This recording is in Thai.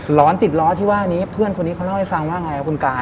หอนติดล้อที่ว่านี้เพื่อนคนนี้เขาเล่าให้ฟังว่าไงครับคุณกาย